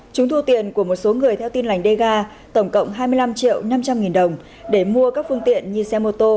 chúng thu tiền của một số người theo tin lành dga tổng cộng hai mươi năm triệu năm trăm linh nghìn đồng để mua các phương tiện như xe mô tô